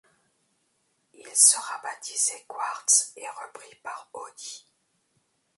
Il sera baptisé Quartz et repris par Audi.